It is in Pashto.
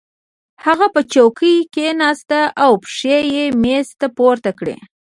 هغه په چوکۍ کېناست او پښې یې مېز ته پورته کړې